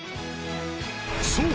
そう